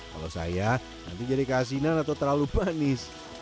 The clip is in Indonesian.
kalau saya nanti jadi kehasilan atau terlalu panis